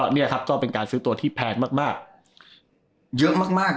เนี่ยครับก็เป็นการซื้อตัวที่แพงมาก